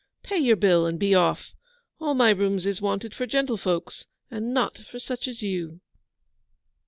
Pay your bill and be off. All my rooms is wanted for gentlefolks, and not for such as you.